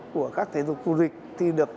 của các thế dục thù địch thì được